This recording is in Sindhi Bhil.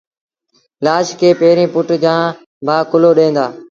لآش کي پيريݩ پُٽ جآݩ ڀآ ڪُلهو ڏيݩ دآ